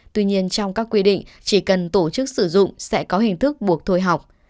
tuy nhiên trong các quy định chỉ cần tổ chức sử dụng sẽ có hình thức buộc thôi học